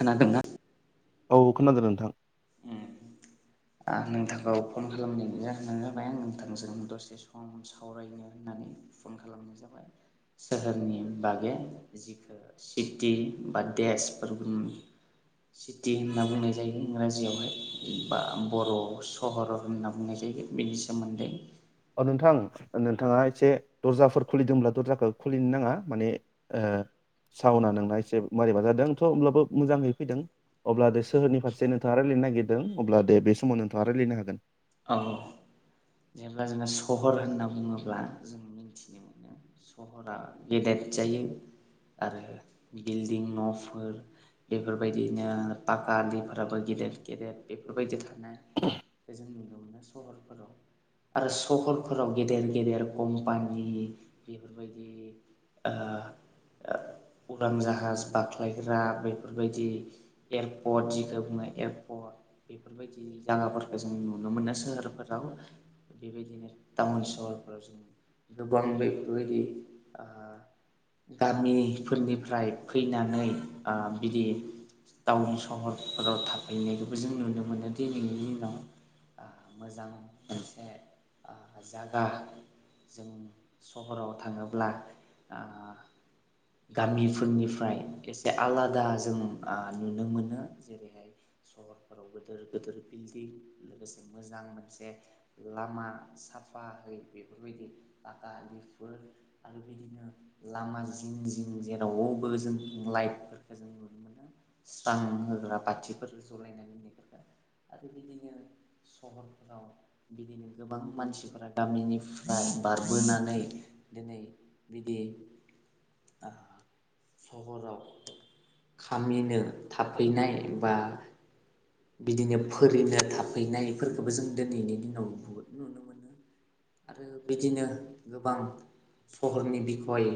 खोनादोंना औ खोनादों नोंथां। औ आं नोंथांखौ फन खालामनाय जाहोनानो जाबाय आं नोंथांजों दसे सम आं सावरायनो होननानै फन खालामनाय जाबाय सोहोरनि बागै जिखुनु सिटि बा देशफोर सिटि होनना बुंनाय जायो इंग्राजि जियावहाय बा बर' सहर' होनना बुंनाय जायो बेनि सोमोन्दै। अ नोंथां नोंथाङा एसे दर्जाफोर खुलिदोंब्ला दर्जाखौ खुलिनो नाङा माने ओ सावना नोंना एसे मारैबा जादों थ' होमब्लाबो मोजाङै फैदों। अब्ला दे सोहोरनि फारसे नोंथाङा रायलायनो नागिरदों अब्ला दे बे समाव नोंथाङा रायलायनो हागोन। औ जेब्ला जोना सहर होनना बुङोब्ला जों मिथिनो मोनो नो सहरा गेदेर जायो आरो बिल्डिं न'फोर बेफोरबायदिनो पाखा आलिफोराबो गेदेर गेदेर बेफोरबायदि थायो। थानाय जों नुनो मोनो सहरफोराव। आरो सहरफोराव गेदेर गेदेर कम्पानि बेफोरबायदि ओ उरां जाहाज बाख्लायग्रा बेफोरबायदि एयारपर्ट जिखौ बुङो एयारपर्ट बेफोरबायदि जायगाफोरखौ जों नु नुनो मोनो सोहोरफोराव बेबायदिनो टाउन सहरफोराव जों गोबां बेफोरबायदि ओ गामि फोरनिफ्राय फैनानै ओ बिदि टाउन सहरफोराव थाफैनायखौबो जों नुनो मोनो दि दिनैनि दिनाव। मोजां मोनसे जागा सहराव थाङोब्ला ओ गामिफोरनिफ्राय एसे आलादा जो ओ नुनो मोनो। जेरैहाय सहरफोराव गिदिर गिदिर बिल्डिं लोगोसे मोजां मोनसे लामा साफा है बेफोरबायदि फाखा आलिफोर आरो बिदिनो लामा जिं जिं जेरावबो जों लाइटफोरखौ जों नुनो मोनो। स्रां होग्रा बाथिफोर जलायना दोनायफोरखौ आरो बिदिनो सहर फोराव बिदिनो गोबां मानसिफोरा गामिनिफ्राय बारबोनानै दिनै बिदि सहराव खामिनो थाफैनाय बा बिदिनो फोरिनो थाफैनायफोरखौबो जों दिनैनि दिनाव बुहुद नुनो मोनो। आरो बिदिनो गोबां सहरनि बिखय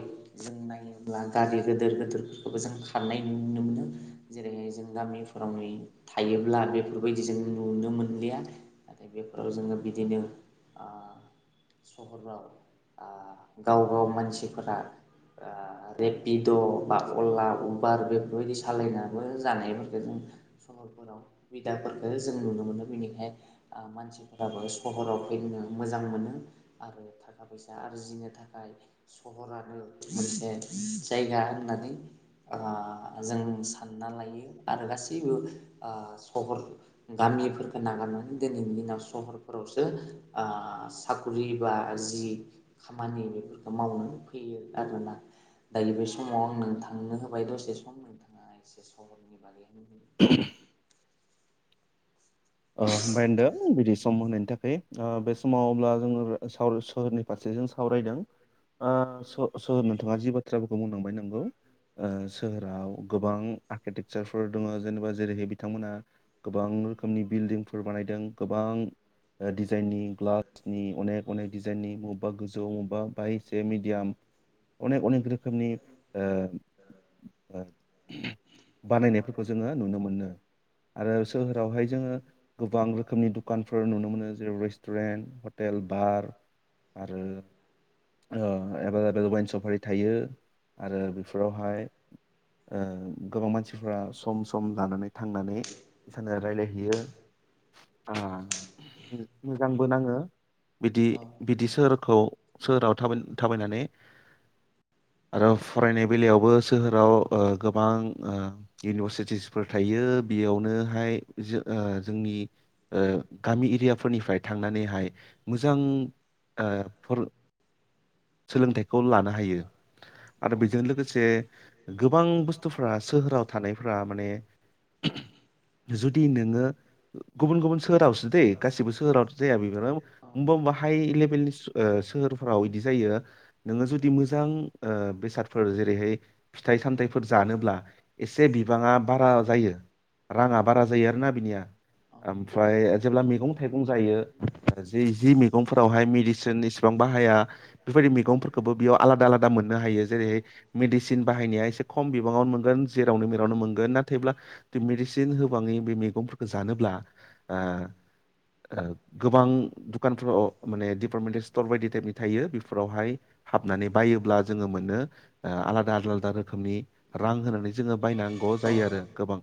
जों नायोब्ला गारि गिदिर गिदिरफोरखौबो जों खारनाय नुनो मोनो। जेरै जों गामिफोराव थायोब्ला बेफोरबायदि जों नुनो मोनलिया। नाथाय बेफोराव जों बिदिनो ओ सहराव ओ गाव-गाव मानसिफोरा ओ रेपिड' बा अला उबार बेफोरबायदि सालायनाबबो जानायफोरखौ जों सहरफोराव बिदाफोरखो जों नुनो मोनो बेनिखाय मानसिफोराबो सहराव फैनो मोजां मोनो आरो थाखा फैसा आरजिनो थाखाय सहरानो मोनसे जायगा होननानै आ जों सानना लायो आरो गासैबो आ सहर गामिफोरखो नागारनानै दिनैनि दिनाव सहरफोरावसो आ साकरि बा जि खामानि बेफोरखौ मावनानै फैयो आरोना। दायो बे समाव आं नोंथांनो होबाय दसे सम नोंथाङा एसे सहरनि बागै [unintelligible] होनबाय होनदों बिदि सम होनायनि थाखाय बे समाव अब्ला जोङो सावरा सहरनि फारसे जों सावरायदों आ सोर नोंथाङा जि बाथ्राफोरखौ बुंलांबाय नंगौ। सोहोराव गोबां आर्किटेक्सारफोर दङ जेनेबा जेरैहाय बिथांमोना गोबां रोखोमनि बिल्डिंफोर बानायदों गोबां डिजाइननि ग्लासनि अनेक अनेक डिजाइननि बबा गोजौ बबेबा बाय एसे मिडियाम अनेक अनेक रोखोमनि ओ बानायनायफोरखौ जोङो नुनो मोनो। आरो सोहोरावहाय जोङो गोबां रोखोमनि दुकानफोर नुनो मोनो जेरै रेस्टुरेन्ट हटेल बार आरो एबेल लेबोल वाइन सबफोर थायो आरो बेफोरावहाय ओ गोबां मानसिफ्रा सम सम लानानै थांनानै इसानि रायज्लायहैयो मोजांबो नाङो बिदि औ बिदि सोहोरखौ सोहोराव थाबाय थाबायनानै आरो फरायनाय बेलायावबो सोहोराव ओ गोबां ओ। इउनिभारसिटिसफोर थायो बेयावनोहाय जोंनि गामि एरियाफोरनिफ्राय थांनानैहाय मोजां आ फर [inaudible] सोलोंथाइखौ लानो हायो आरो औ बेजों लोगोसे गोबां बुस्थुफ्रा सोहोराव थानायफ्रा माने जुदि नोङो गुबुन गुबुन सोहोरावसो दैे गासिबो सोहोरावनो जाया बेबायदिनो औ बबा मबा हाइ लेभेलनि सोहोरफोराव बिदि जायो नोङो जुदि मोजां ओ बेसादफोर जेरैहाय फिथाइ सामथाइफोर फोर जानोब्ला एसे बिबाङा बारा जायो राङा बारा जायो आरोना बिनिया औ ओमफ्राय जेब्ला मैगं थाइगं जायो आरो जि जि मैगंफोरावहाय मेडिसिन इसिबां बाहाया बेफोरबायदि मैगंफोरखौबो बेयाव आलादा आलादा मोननो हायो जेरैहाय मेडिसिन बाहायनाया एसे खम बिबाङावनो मोनगोन जेरावनो मेरावनो मोनगोन नाथायब्ला। मेडिसिन होबाङै बे मैगंफोरखौ जानोब्ला ओ गोबां दुखानफोराव माने डपार्टमेन्टेल स्टर बायदि टाइपनि थायो बे बेफोरावहाय हाबनानै बायोब्ला जोङो मोनो आलादा आलादा रोखोमनि रां होनानै जोङो बायनांगौ जायो आरो गोबां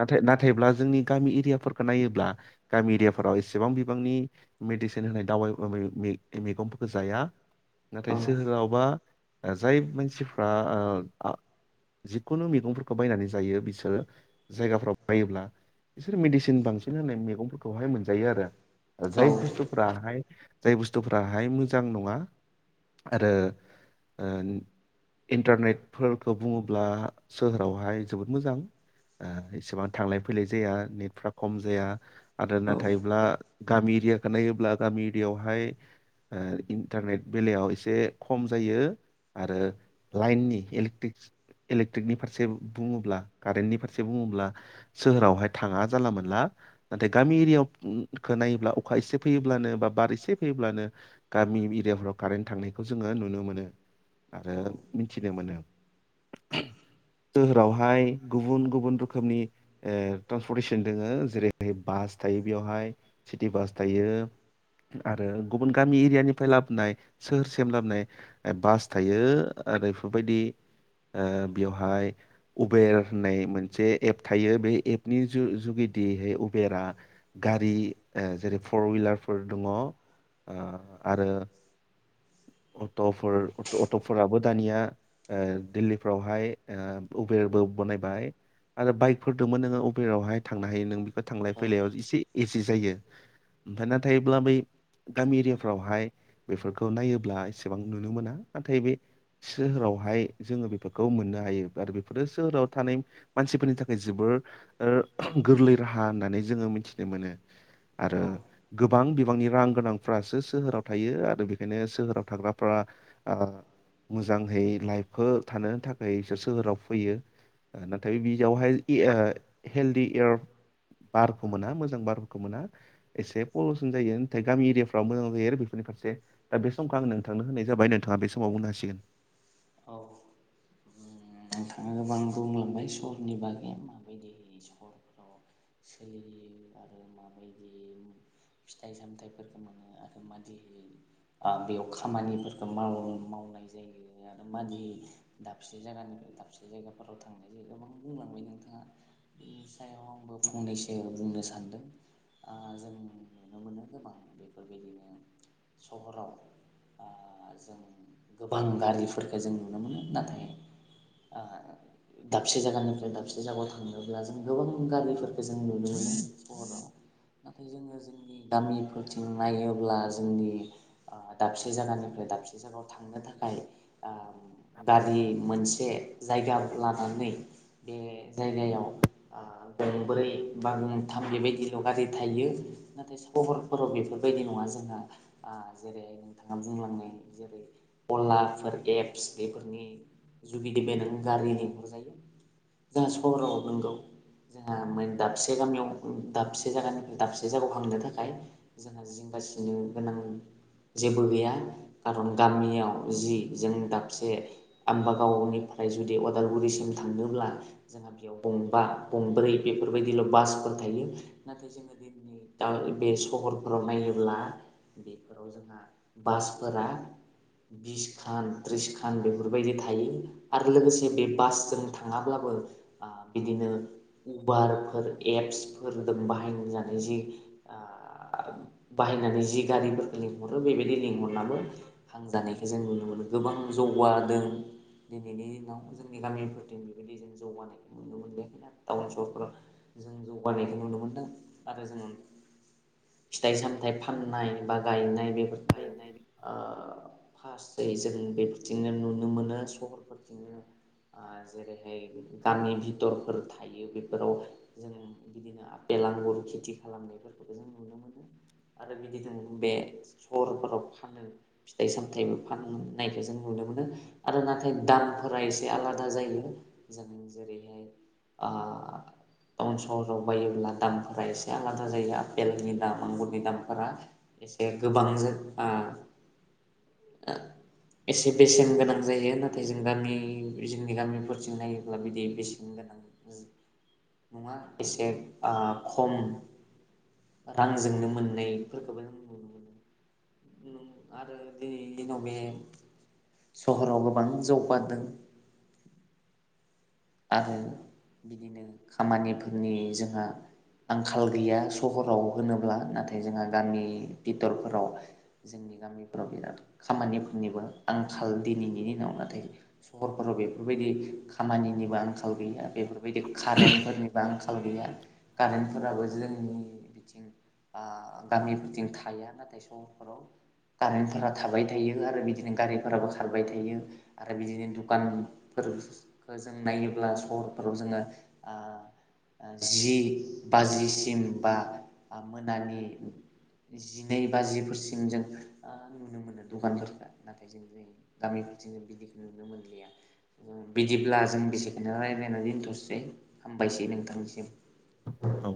नाथाय नाथायब्ला जोंनि गामि एरियाफोरखौ नायोब्ला गामि एरियाफोराव एसेबां बिबांनि मेडिसिन होनाय दावबाय मैगंफोरखौ जाया नाथाय औ सोहोरावबा जाय मानसिफ्रा ओ जिखुनु मैगंफोरखौ बायनानै जायो बिसोरो जायगाफ्राव बायोब्ला बिसोर मेडिसिन बांसिन होनाय मैगंफोरखौहाय मोनजायो आरो जाय बुस्थु फोराहाय जाय बुस्थुफोराहाय मोजां नङा आरो ओ इन्टारनेटफोरखौ बुङोब्ला। सोहोरावहाय जोबोद मोजां इसेबां थांलाय फैलाय जाया। नेटफ्रा खम जाया आरो नाथायब्ला। गामि एरियाखौ नायोब्ला गामि एरियायावहाय। इन्टारनेट बेलायाव एसे खम जायो। आरो लाइननि इलेक्ट्रिकसि इलेकट्रिकनि फारसे बुङोब्ला कारेन्टनि फारसे बुङोब्ला सोहोरावहाय थाङा जानला मोनला। नाथाय गामि एरियायाव खोनायोब्ला अखा एसे फैयोब्लानो बा बार एसे फैयोब्लानो गामि एरियाफ्राव कारेन्ट थांनायखौ जोङो नुनो मोनो आरो मिथिनो मोनो। सोहोरावहाय गुबुन गुबुन रोखोमनि ओ ट्रान्सपर्टेसन दङो जेरैहाय बास थायो बेवहाय सिटि बास थायो। आरो गुबुन गामि एरियानिफ्राय लाबोनाय सोहोरसिम लाबोनाय बास थायो आरो बादि ओ बेवहाय उबेर होननाय मोनसे एप थायो बे एप नि जु-जुगिदिहै उबेरा गारि ओ जेरै फर विलारफोर दङ ओ आरो अट'फोर अट' अट'फोराबो दानिया ओ दिल्लीफ्रावहाय ओ उबेरबो बनायबाय आरो बाइकफोर दोंबो नोङो उबेरावहाय थांनो हायो नों बो थांलाय फैलायाव एसे एस से जायो ओमफ्राय नाथायब्ला बै गामि एरियाफ्रावहाय बेफोरखौ खौ नायोब्ला एसेबां नुनो मोना नाथाय बे सोहोरावहाय जोङो बेफोरखौ मोननो हायो आरो बे फोरो सोहोराव थानाय मानसिफोरनि थाखाय जोबोर ओ गोरलै राहा होननानै जोङो मिथिनो मोनो। आरो औ गोबां बिबांनि रां गोनांफ्रासो सोहोराव थायो आरो बे खायनो सोहोराव थाग्राफ्रा आ मोजांहै लाइफखो थानो थाखाय सो सोहोराव फैयो। आ नाथाय बियावहाय इ ओ हेलदि एयार बारखौ मोना मोजां बारखौ मोना। एसे पलिउसन जायो नाथाय गामि एरियाफ्राव मोजां जायो आरो बेफोरनि फारसे। दा बे समखौ आं नोंथांनो होनाय जाबाय नोंथाङा बे समाव बुंनो हसिगोन। औ उम नोंथाङा गोबां बुंलांबाय सहरनि बागै माबायदिहै सहर आव सोलियो आरो माबायो दि फिथाइ सामथफोरखौ मोनो आरो मान आ बेयाव खामानिफोरखौ माव मावनाय जायो आरो मादि दाबसे जायगानिफ्राय दाबसे जायगाफोराव थांनाय जायो गोबां बुंलांबाय नोंथाङा। बेनि सायाव आंबो फंनैसो बुंनो सानदों। आ जों नुनो मोनो गोबां बेफोरबायदिनो सहराव आ जों गोबां गारि फोरखो जों नुनो मोनो नाथाय आ दाबसे जायगानिफ्राय दाबसे जायगायाव थांनोब्ला जों गोबां गारिफोरखौ जों नुनो मोनो। सहराव नाथाय जोङो जोंनि गामिफोरथिं नायोब्ला जोंनि ओ दाबसे जायगानिफ्राय दाबसे जायगायाव थांनो थाखाय आ गारि मोनसे जायगा लानानै बे जायगायाव आ गंब्रै बा गंथाम बेबायदिल' गारि थायो। नाथाय सहरफोराव बेफोरबायदि नङा जोंहा आ जेरै नोंथाङा बुंलांनाय जेरै अलाफोर एपस बेफोरनि जुगिदि बेद गारि लिंहरजायो। जों सहराव नोंगौ। जोंहा मोन दाबसे गामियाव दाबसे जायगानिफ्राय दाबसे जायगायाव थांनो थाखाय जोंहा जिंगासिनो गोनां जेबो गैया खारन गामियाव जि जों दाबसे आम्बागावनिफ्राय जुदि अदालगुरिसिम थांनोब्ला जों जोंहा बेयाव गंबा गंब्रै बेफोरबायदिल' बासफोर थायो नाथाय जों दा बे सहरफोराव नायोब्ला बेफोराव बेफोराव जोंहा बासफोरा बिस खान त्रिस खान बेफोरबायदि थायो आरो लोगोसे बे बासजों थाङाब्लाबो आ बिदिनो उबारफोर एप्सफोरदो बाहायजानाय जि आ बाहायनानै जि गारिफोरखौ लिंहरो बेबायदि लिंहरनानै थांजानायखौ जों नु नुनो मोनो गोबां जौगादों दिनैनि दिनाव जोंनि गामिफोरथिं बेबायदि बिदिनो जौगानायखौ नुनो मोनदों टाउन सहरफोराव। जों जौगानायखौ नुनो मोनदों नाथाय जोंङो फिथाइ सामथाइ फाननाय बा गायनाय बेफोरखौबो ओ फास्स्ट जै जों बेफोरदिनो नुनो मोनो सहरफोरथिंबो आ जेरैहाय गामि भिथरफोर थायो बेफोराव जों बिदिनो आपेल आंगुरु खेथि खालामनायफोरखौ जों नुनो मोनो। आरो बिदिजों बे सहरफोराव फानो फिथाइ सामथाइबो फाननायखौ जों नुनो मोनो आरो नाथाय दामफोरा एसे आलादा जायो जों जों जेरैहाय आ टाउन सहराव बायोब्ला दामफोरा एसे आलादा जायो आपेलनि दाम आंगुरनि दामफोरा। एसे गोबां जों ओ [inaudible] एसे बेसेन गोनां जायो नाथाय जों गामि जोंनि गामिफोरथिं नायोब्ला बिदि बेसेन गोनां नङा एसे ओ खम रांजोंनो मोननायफोरखौबो जों नुनो मोनो नों आरो दिनैनि दिनाव बे सहरावल गोबां जौगारदों। ओं बिदिनो खामानिफोरनि जोंहा आंखाल गैया सहराव होनोब्ला नाथाय जोंहा गामि बिथरफोराव जोंनि गामिफोराव बिराद खामानिफोरनिबो आंखाल दिनैनि दिनाव नाथाय सहरफोराव बेफोरबायदि खामानि निबो आंखाल गैया बेफोरबायदि कारेन्टफोरनिबो आंखाल गैया। कारेन्टफोराबो जोंनि बिथिं आ गामिफोरथिं थाया नाथाय सहरफोराव कारेन्टफोरा थाबाय थायो आरो बिदिनो गारिफोराबो खारबाय थायो। आरो बिदिनो दुखानफोर जों नायोब्ला सहरफोराव जोङो आ आ जि बाजिसिम बा आ मोनानि जिनै बाजिफोरसिम जों आ नुनोमोनो दखानफोरखौ नाथाय जों गामिफोरथिं बिदि नुनो मोनलिया बिदिब्ला जों बिसिखोनो रायज्लायनानै दोनथ'सै हामबायसै नोंथांनिसिम। औ।